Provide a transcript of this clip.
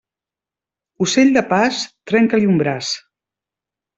Ocell de pas, trenca-li un braç.